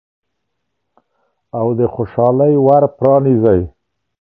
او د خوشحالۍ ور پرانیزئ.